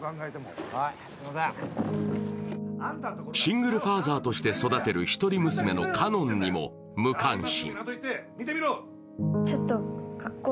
シングルファーザーとして育てる一人娘の花音にも無関心。